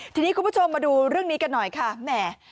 ทีนี้คุณผู้ชมมาดูเรื่องนี้กันหน่อยค่ะแหม